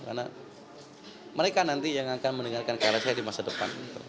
karena mereka nanti yang akan mendengarkan karakter saya di masa depan